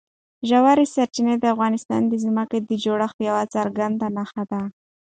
ژورې سرچینې د افغانستان د ځمکې د جوړښت یوه څرګنده نښه ده.